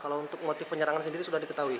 kalau untuk motif penyerangan sendiri sudah diketahui